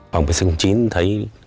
phòng bệ sinh chính thấy